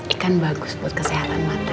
ikan bagus buat kesehatan mata